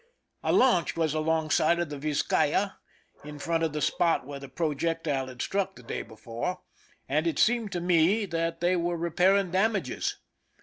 A launch was alongside of the Vizcaya^ in front of the spot where the projectile had struck the day before, and it seemed to me that they were repairing dam ages.